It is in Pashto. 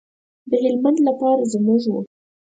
د هلمند لپاره زموږ و.